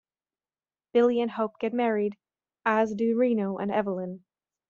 Billy and Hope get married, as do Reno and Evelyn.